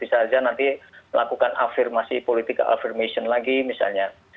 bisa saja nanti melakukan afirmasi politik afirmation lagi misalnya